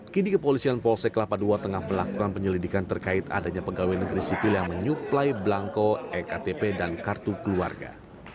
kini kepolisian polsek kelapa ii tengah melakukan penyelidikan terkait adanya pegawai negeri sipil yang menyuplai belangko ektp dan kartu keluarga